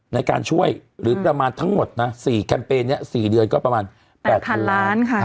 ในการช่วยหรือประมาณทั้งหมดนะ๔แคมเปญนี้๔เดือนก็ประมาณ๘๐๐๐ล้านค่ะ